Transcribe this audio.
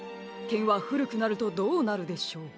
けんはふるくなるとどうなるでしょう？